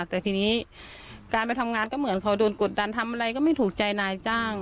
แต่ทีนี้การไปทำงานก็เหมือนเขาโดนกดดันทำอะไรก็ไม่ถูกใจนายจ้าง